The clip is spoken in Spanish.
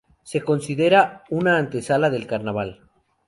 Se considera una antesala del carnaval.